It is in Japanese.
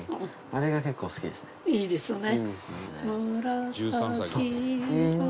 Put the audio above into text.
あれが結構好きですね。